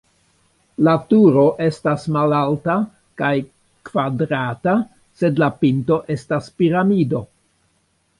La turo estas malalta kaj kvadrata, sed la pinto estas piramido.